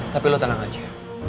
tapi lu tenang aja